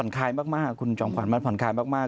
คุณจอมขวัญมันผ่อนคลายมาก